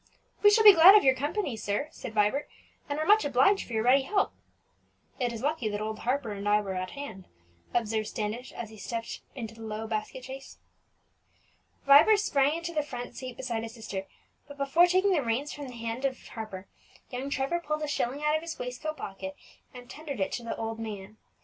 "We shall be glad of your company, sir," said Vibert; "and are much obliged for your ready help." "It is lucky that old Harper and I were at hand," observed Standish, as he stepped into the low basket chaise. Vibert sprang into the front seat beside his sister, but before taking the reins from the hand of Harper, young Trevor pulled a shilling out of his waistcoat pocket, and tendered it to the old man.